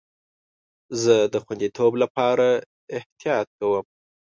زه د خوندیتوب لپاره احتیاط کوم.